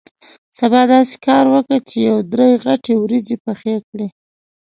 سبا داسې کار وکه چې یو درې غټې وریجې پخې کړې.